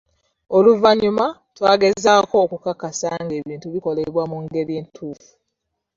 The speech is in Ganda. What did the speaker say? Oluvannyuma twagezezzaako okukakasa ng'ebintu bikolebwa mu ngeri entuufu.